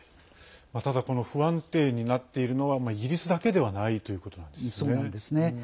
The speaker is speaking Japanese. ただ、この不安定になっているのはイギリスだけではないということなんですね。